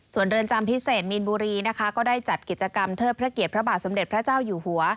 ส่วนเรือนจำพิเศษมีนบุรีนะคะก็ได้จัดกิจกรรมเทิดพระเกียรติพระบาทสมเด็จพระเจ้าอยู่หัว